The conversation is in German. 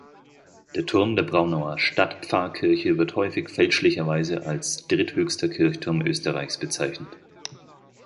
Der Turm der Braunauer Stadtpfarrkirche wird häufig fälschlicherweise als dritthöchster Kirchturm Österreichs bezeichnet.